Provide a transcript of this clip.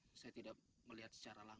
saya tidak melihat secara langsung